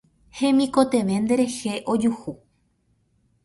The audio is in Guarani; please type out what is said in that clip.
Hemikotevẽ nde rehe ojuhu